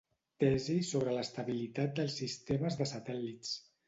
tesi sobre l'estabilitat dels sistemes de satèl·lits.